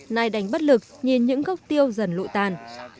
nay đánh bắt lực nhìn những gốc tiêu dần lụi tàn